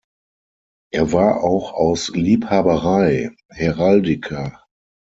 Er war auch aus Liebhaberei Heraldiker.